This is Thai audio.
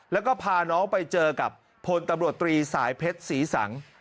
แล้วก็พาน้องไปเจอกับพลตำรวจตรีสายเพชรศรีสัง